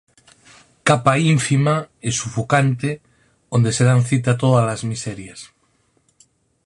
Capa ínfima e sufocante onde se dan cita tódalas miserias.